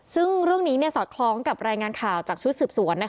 ซึ่งเรื่องนี้สอดคล้องกับรายงานข่าวจากชุดสืบสวน